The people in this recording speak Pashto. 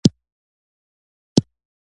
• واده د راتلونکي لپاره ښه بنسټ ږدي.